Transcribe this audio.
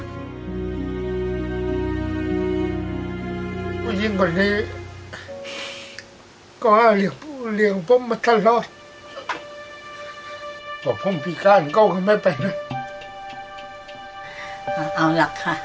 บังคับจริงกว่าเลยก็เหรียญผมมาทั้งหลอดบอกผมพิการเกาะค่ะไม่ไปนะเอาหลักค่ะ